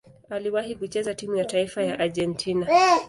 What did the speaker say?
Aliwahi kucheza timu ya taifa ya Argentina.